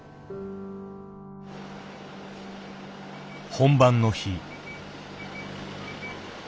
本番の日。